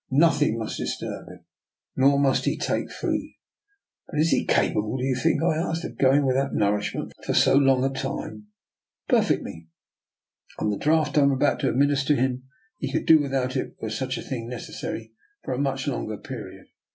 Nothing must disturb him. Nor must he taste food." " But is he capable, do you think," I asked, " of going without nourishment for so long a time? "" Perfectly! On the draught I am about to administer to him, he could do without it, were such a thing necessary, for a much Ion ger period.